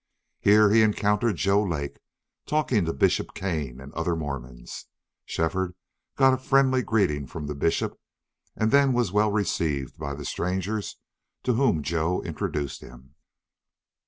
Here he encountered Joe Lake talking to Bishop Kane and other Mormons. Shefford got a friendly greeting from the bishop, and then was well received by the strangers, to whom Joe introduced him.